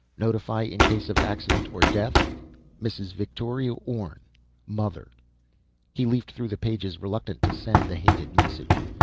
Notify in case of accident or death: Mrs. Victoria Orne, mother." He leafed through the pages, reluctant to send the hated message.